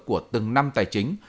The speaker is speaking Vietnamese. của từng năm tài chính